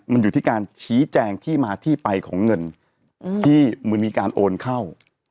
มันอยู่ที่การชี้แจงที่มาที่ไปของเงินที่มันมีการโอนเข้า